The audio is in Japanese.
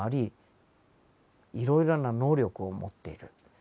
いろいろな能力を持っている。